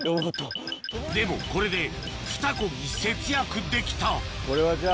でもこれで２コギ節約できたこれはじゃあ。